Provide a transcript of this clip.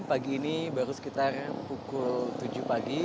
pagi ini baru sekitar pukul tujuh pagi